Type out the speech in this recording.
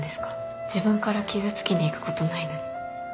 自分から傷つきに行くことないのに。